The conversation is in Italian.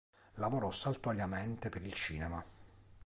Lavorò saltuariamente per il cinema.